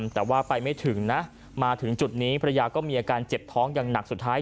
แต่ว่าไปไม่ถึงนะมาถึงจุดนี้ภรรยาก็มีอาการเจ็บท้องอย่างหนักสุดท้าย